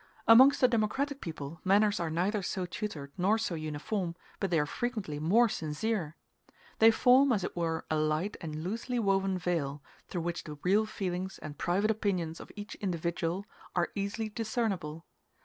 Amongst a democratic people manners are neither so tutored nor so uniform, but they are frequently more sincere. They form, as it were, a light and loosely woven veil, through which the real feelings and private opinions of each individual are easily discernible.